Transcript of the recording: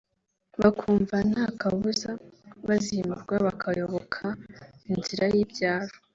bakumva nta kabuza bazimurwa bakayoboka inzira y’ibyaro